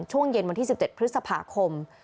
ช่วงเย็นวันที่๑๗พฤษภาคม